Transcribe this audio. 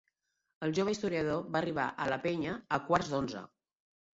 El jove historiador va arribar a la penya a quarts d'onze.